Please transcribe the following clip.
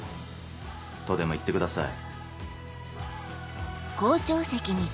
とでも言ってください。